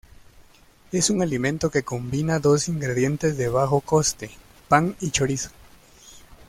Es un alimento que combina dos ingredientes de bajo coste: pan y chorizo.